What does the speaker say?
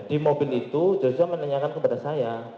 di mobil itu joshua menanyakan kepada saya